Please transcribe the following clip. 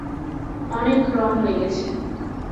অনেক রং লেগেছে।